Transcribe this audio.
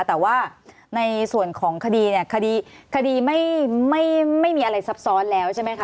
แต่ว่าในส่วนของคดีเนี่ยคดีไม่มีอะไรซับซ้อนแล้วใช่ไหมคะ